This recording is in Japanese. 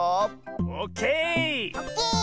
オッケー！